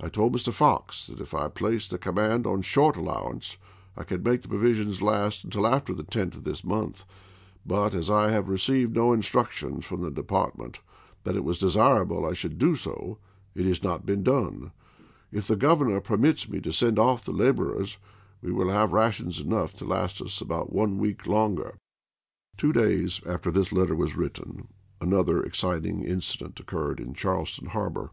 I told Mr. Fox that if I placed the command on short allowance I could make the provisions last until after the 10th of this month ; but as I have received no instructions from the Department that it was desirable I should do so, it has not been done. Anderson If the Govcmor permits me to send off the laborers ApriiMsei! we will have rations enough to last us about one W. R. Vol. 1 1 „ I., p. 230. week longer." Two days after this letter was written another exciting incident occurred in Charleston harbor.